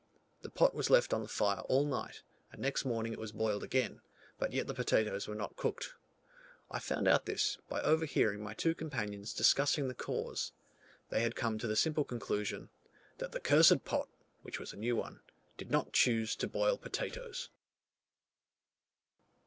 The pot was left on the fire all night, and next morning it was boiled again, but yet the potatoes were not cooked. I found out this, by overhearing my two companions discussing the cause, they had come to the simple conclusion, "that the cursed pot [which was a new one] did not choose to boil potatoes."